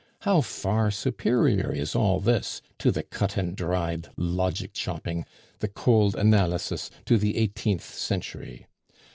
How far superior is all this to the cut and dried logic chopping, the cold analysis to the eighteenth century!